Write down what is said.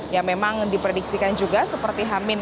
yang memang diprediksikan juga seperti hamin